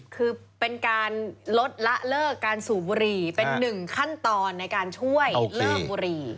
คือเป็นการลดละเลิกการสูบบุหรี่เป็นหนึ่งขั้นตอนในการช่วยเลิกบุรี